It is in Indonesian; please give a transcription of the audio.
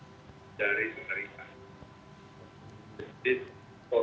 dia terperluan digunakan untuk mencari penerimaan